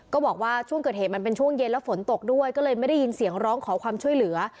บอกว่าช่วงเกิดเหตุมันเป็นช่วงเย็นแล้วฝนตกด้วยก็เลยไม่ได้ยินเสียงร้องขอความช่วยเหลือ